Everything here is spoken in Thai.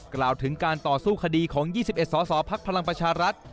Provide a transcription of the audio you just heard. กล่าวถึงการต่อสู้คดีของ๒๑สอสอพลักษณ์พลังปัชฌาลัทธิ์